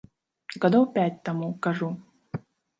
Гадоў пяць таму, кажу.